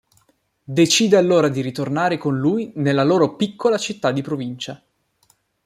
Decide allora di ritornare con lui nella loro piccola città di provincia.